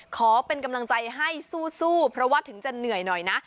ขอเป็นกำลังใจให้สู้เพราะว่าถึงจะเหนื่อยหน่อยนะ